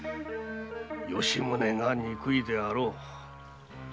吉宗が憎いであろう。